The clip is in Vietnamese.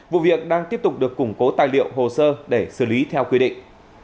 vụ việc đang tiếp tục được củng cố tài liệu hồ sơ để xử lý theo quy định